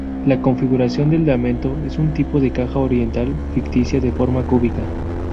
La Configuración del Lamento es un tipo de caja oriental ficticia de forma cúbica.